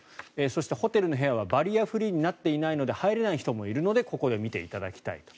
そしてホテルの部屋はバリアフリーになっていないので入れない人もいるのでここで診ていただきたいと。